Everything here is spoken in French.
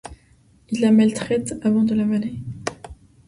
Il la maltraite avant de l'avaler.